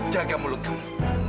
jaga mulut kamu